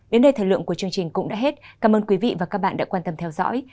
đến đây thời lượng của chương trình cũng đã hết cảm ơn quý vị và các bạn đã quan tâm theo dõi